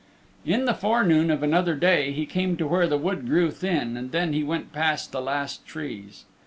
In the forenoon of another day he came to where the wood grew thin and then he went past the last trees.